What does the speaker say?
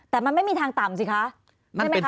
แต่มันไม่มีทางต่ำสิคะ